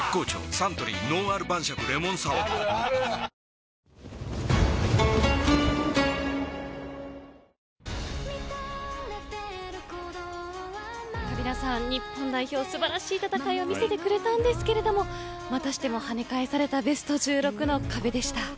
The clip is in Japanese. サントリー「のんある晩酌レモンサワー」あるあるカビラさん、日本代表素晴らしい戦いを見せてくれたんですがまたしてもはね返されたベスト１６の壁でした。